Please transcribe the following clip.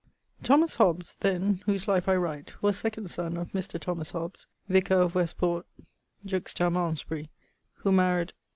_> Thomas Hobbes[FG], then, whose life I write, was second son of Mr. Thomas Hobbes, vicar of Westport juxta Malmesbury, who maried